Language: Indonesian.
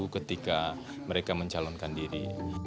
ketika mereka mencalonkan diri